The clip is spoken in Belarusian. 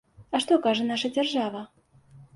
А што кажа наша дзяржава?